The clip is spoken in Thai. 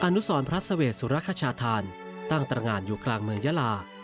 อนุสรพระเสวสุรคชาธานตั้งตรงานอยู่กลางเมืองยาลา